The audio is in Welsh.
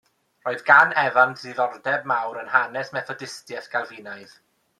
Roedd gan Evans diddordeb mawr yn hanes Methodistiaeth Galfinaidd.